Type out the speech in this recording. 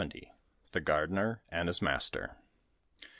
THE GARDENER AND HIS MASTER.